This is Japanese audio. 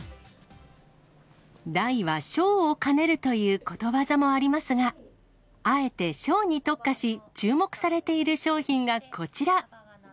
大は小を兼ねるということわざもありますが、あえて小に特化し、注目されている商品がこちら。